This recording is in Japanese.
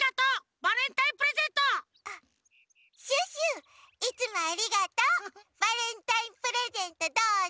バレンタインプレゼントどうぞ！